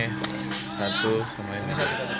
ini satu sama ini